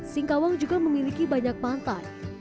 singkawang juga memiliki banyak pantai